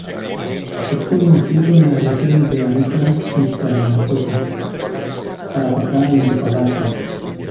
Estuvo inscrito en las regiones de Arica y Parinacota, Tarapacá y Antofagasta.